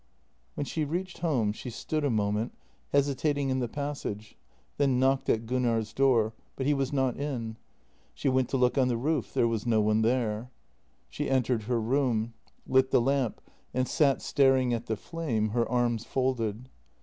When she reached home she stood a moment hesitating in the passage, then knocked at Gunnar's door, but he was not in. She went to look on the roof; there was no one there. She entered her room, lit the lamp, and sat staring at the flame, her arms folded.